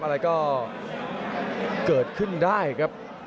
อะไรก็เกิดขึ้นได้ครับ